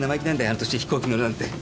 あの年で飛行機に乗るなんて。